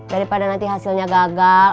daripada nanti hasilnya gagal